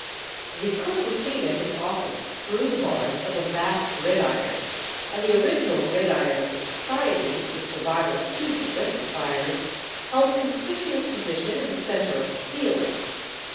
The cook was seen at his office through the bars of a vast gridiron, and the original gridiron of the society (the survivor of two terrific fires) held a conspicuous position in the centre of the ceiling.